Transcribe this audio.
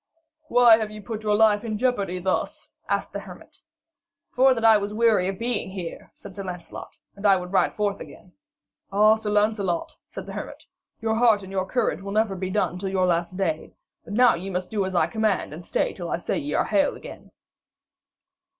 'Why have you put your life in jeopardy thus?' asked the hermit. 'For that I weary of being here,' said Sir Lancelot, 'and I would ride forth again.' 'Ah, Sir Lancelot,' said the hermit, 'your heart and your courage will never be done till your last day. But now ye must do as I command, and stay till I say ye are hale again.'